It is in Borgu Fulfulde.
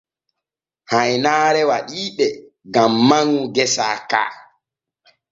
Haynaare waɗii ɓe gam manŋu gesa ka.